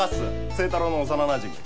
星太郎の幼なじみで。